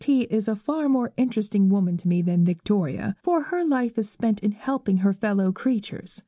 T. is a far more interesting woman to me than Victoria, for her life is spent in helping her fellow creatures.